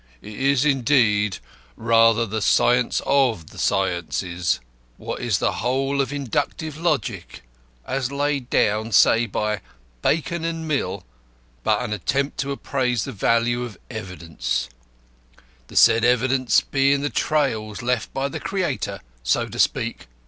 It is, indeed, rather the science of the sciences. What is the whole of Inductive Logic, as laid down, say, by Bacon and Mill, but an attempt to appraise the value of evidence, the said evidence being the trails left by the Creator, so to speak?